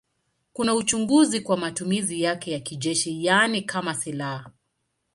Kuna uchunguzi kwa matumizi yake ya kijeshi, yaani kama silaha.